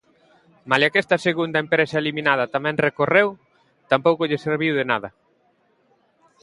Malia que esta segunda empresa eliminada tamén recorreu, tampouco lle serviu de nada.